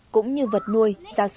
cũng như vật nuôi